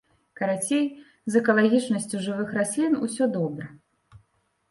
Карацей, з экалагічнасцю жывых раслін усё добра.